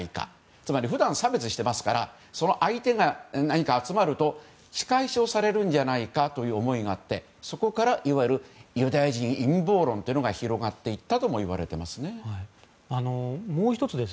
つまり、普段差別していますからその相手が何か集まると仕返しをされるんじゃないかという思いがあってそこからいわゆるユダヤ人陰謀論が広まっていったともいわれています。